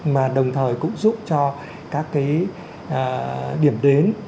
mà đồng thời cũng giúp cho các cái điểm đến